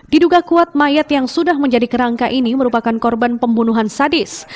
diduga kuat mayat yang sudah menjadi kerangka ini merupakan korban pembunuhan sadis